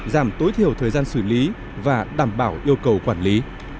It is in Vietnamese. giảm tối thiểu thời gian xử lý và đảm bảo yêu cầu quản lý